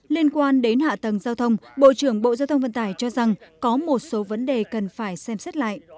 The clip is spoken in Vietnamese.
liên quan đến hạ tầng giao thông bộ trưởng bộ giao thông vận tải cho rằng có một số vấn đề cần phải xem xét lại